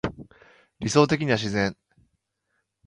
理想的には自然